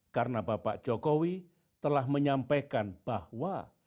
karena bapak jokowi telah menyampaikan bahwa